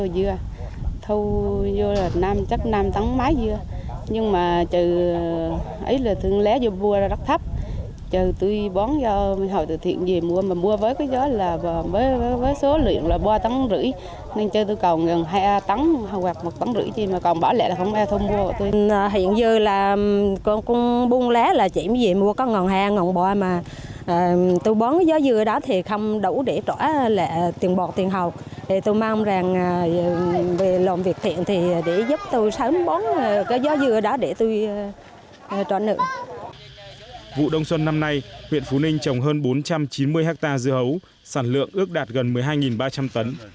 vụ đông xuân năm nay huyện phú ninh trồng hơn bốn trăm chín mươi ha dưa hấu sản lượng ước đạt gần một mươi hai ba trăm linh tấn